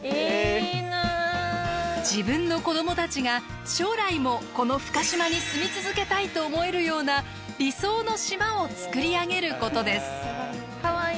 自分の子供たちが将来もこの深島に住み続けたいと思えるような理想の島をつくり上げることです。